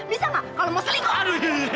bisa gak kalau mau selingkuh